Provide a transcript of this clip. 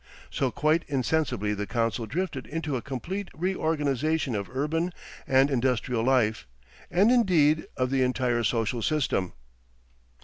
So quite insensibly the council drifted into a complete reorganisation of urban and industrial life, and indeed of the entire social system.